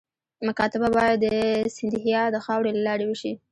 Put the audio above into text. مکاتبه باید د سیندهیا د خاوري له لارې وشي.